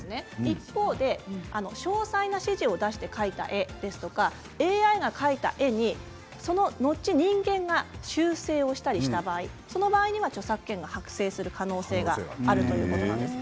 一方で詳細な指示を出して描いた絵ＡＩが描いた絵にその後人間が修正をしたりした場合その場合には著作権が発生する可能性があるということなんです。